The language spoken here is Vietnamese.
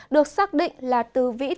được xác định là từ vĩ đông